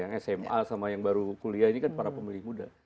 yang sma sama yang baru kuliah ini kan para pemilih muda